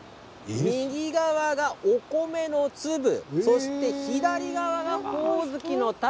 右側がお米の粒そして、左側がほおずきの種。